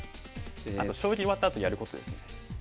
あと将棋終わったあとやることですね。